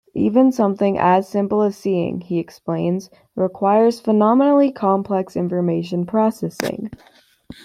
Even something as simple as seeing, he explains, requires phenomenally complex information processing.